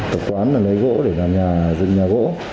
tập quán lấy gỗ để làm nhà dựng nhà gỗ